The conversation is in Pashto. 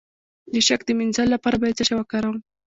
د شک د مینځلو لپاره باید څه شی وکاروم؟